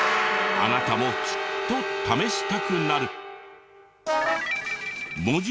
あなたもきっと試したくなる。